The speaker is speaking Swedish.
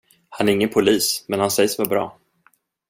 Han är ingen polis, men han sägs vara bra.